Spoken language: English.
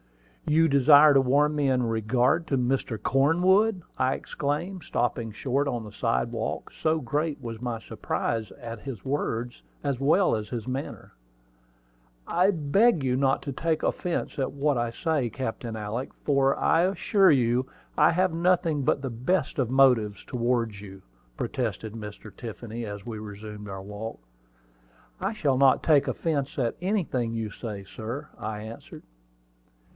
"You desire to warn me in regard to Mr. Cornwood!" I exclaimed, stopping short on the sidewalk, so great was my surprise at his words, as well as his manner. "I beg you will not take any offence at what I say, Captain Alick, for I assure you I have nothing but the best of motives towards you," protested Mr. Tiffany, as we resumed our walk. "I shall not take offence at anything you say, sir," I answered.